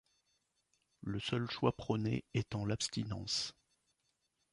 Le seul choix prôné étant l'abstinence.